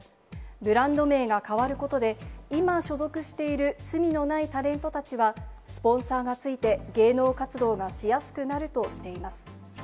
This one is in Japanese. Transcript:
ブランド名が変わることで、今所属している罪のないタレントたちは、スポンサーがついて芸能活動がしやすくなるとしています。